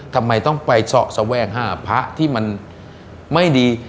ทำไมต้องไปเสาะแสวงหาพระที่มันไม่ดี